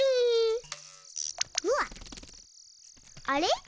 あれ？